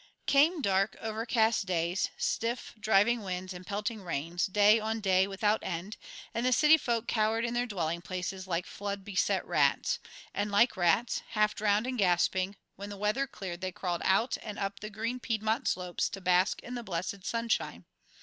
Came dark, overcast days, stiff, driving winds, and pelting rains, day on day, without end, and the city folk cowered in their dwelling places like flood beset rats; and like rats, half drowned and gasping, when the weather cleared they crawled out and up the green Piedmont slopes to bask in the blessed sunshine.